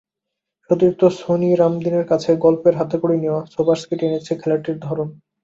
সতীর্থ সনি রামদিনের কাছে গলফের হাতেখড়ি নেওয়া সোবার্সকে টেনেছে খেলাটির ধরন।